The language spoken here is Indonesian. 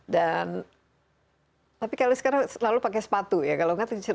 tapi kalau sekarang selalu pakai sepatu ya kalau nggak terjadi